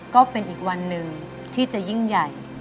ก็เป็นอีกวันหนึ่งที่จะยิ่งใหญ่